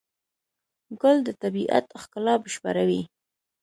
ګل د طبیعت ښکلا بشپړوي.